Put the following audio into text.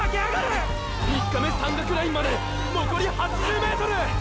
３日目山岳ラインまでのこり８０ｍ！！